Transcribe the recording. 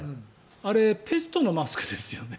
あれ、ペストのマスクですよね。